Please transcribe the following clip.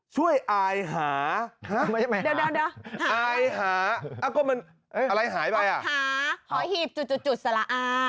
ช่วยอายหาอะไรหายไปอ่ะ